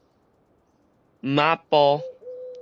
茅仔埔